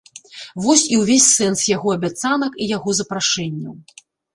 Вось і ўвесь сэнс яго абяцанак і яго запрашэнняў.